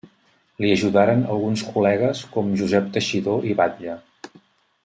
L'hi ajudaren alguns col·legues com Josep Teixidor i Batlle.